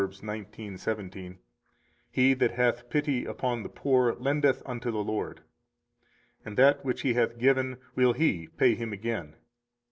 19:17: He that hath pity upon the poor lendeth unto the Lord; and that which he hath given will He pay him again.